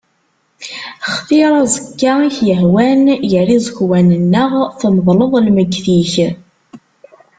Xtiṛ aẓekka i k-ihwan gar iẓekwan-nneɣ tmeḍleḍ lmegget-ik.